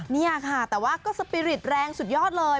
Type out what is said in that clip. นี่ค่ะแต่ว่าก็สปีริตแรงสุดยอดเลย